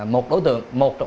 một đối tượng